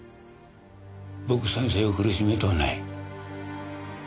僕先生を苦しめとうない。